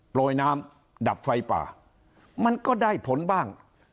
โรยน้ำดับไฟป่ามันก็ได้ผลบ้าง